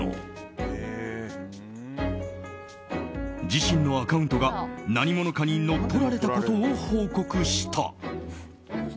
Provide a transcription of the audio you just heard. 自身のアカウントが何者かに乗っ取られたことを報告した。